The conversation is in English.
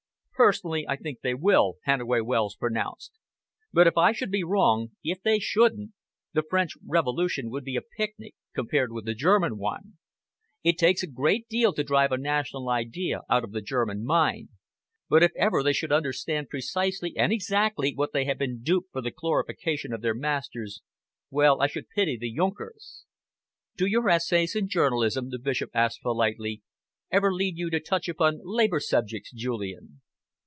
"Personally, I think they will," Hannaway Wells pronounced, "but if I should be wrong if they shouldn't the French Revolution would be a picnic compared with the German one. It takes a great deal to drive a national idea out of the German mind, but if ever they should understand precisely and exactly how they have been duped for the glorification of their masters well, I should pity the junkers." "Do your essays in journalism," the Bishop asked politely, "ever lead you to touch upon Labour subjects, Julian?"